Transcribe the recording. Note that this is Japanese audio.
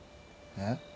えっ？